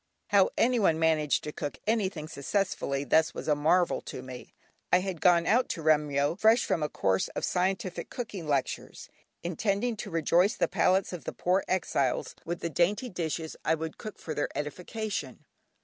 How anyone managed to cook anything successfully thus was a marvel to me. I had gone out to Remyo, fresh from a course of scientific cooking lectures, intending to rejoice the palates of the poor exiles with the dainty dishes I would cook for their edification.